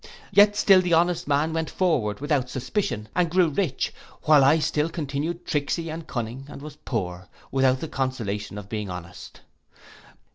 Yet still the honest man went forward without suspicion, and grew rich, while I still continued tricksy and cunning, and was poor, without the consolation of being honest.